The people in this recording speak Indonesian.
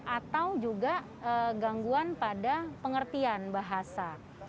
atau juga gangguan pada pengertian bahasa